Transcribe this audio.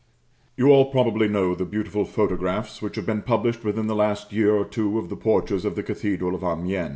You all probably know the beautiful photographs which have been published within the last year or two of the porches of the Cathedral of Amiens.